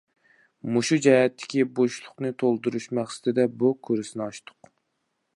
مۇشۇ جەھەتتىكى بوشلۇقنى تولدۇرۇش مەقسىتىدە بۇ كۇرسنى ئاچتۇق.